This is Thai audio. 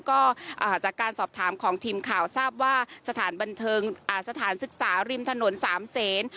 ก็จากการสอบถามของทีมข่าวทราบว่าสถานศึกษาริมถนนสามเซน